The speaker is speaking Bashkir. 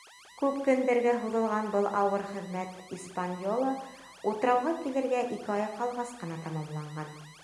Күп көндәргә һуҙылған был ауыр хеҙмәт «Испаньола» утрауға килергә ике ай ҡалғас ҡына тамамланған.